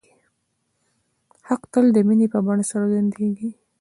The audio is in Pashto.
حق تل د مینې په بڼه څرګندېږي.